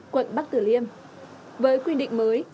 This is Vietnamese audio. quận bắc tử liêm với quy định mới